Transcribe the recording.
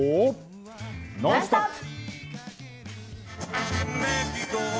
「ノンストップ！」。